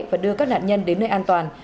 và đưa các nạn nhân đến nơi an toàn